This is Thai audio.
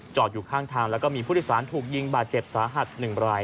อยู่ข้างทางแล้วก็มีผู้โดยสารถูกยิงบาดเจ็บสาหัส๑ราย